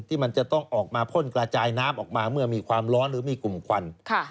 ที่มันจะต้องออกมาพ่นกระจายน้ำออกมาเมื่อมีความร้อนหรือมีกลุ่มควัน